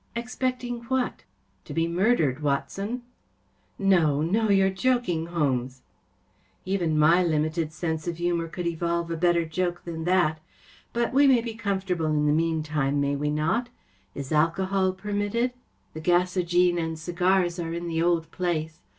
‚ÄĚ 44 Expecting what ? ‚ÄĚ 44 To be murdered, Watson.‚ÄĚ 4 ‚Äė No, no; you are joking, Holmes ! ‚ÄĚ 44 Even my limited sense of humour could evolve a better joke than that. But we may be comfortable in the meantime, may we not ? Is alcohol permitted ? The gasogene the Mazarin Stone and cigars are in .the old place.